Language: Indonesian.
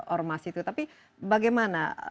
ormas itu tapi bagaimana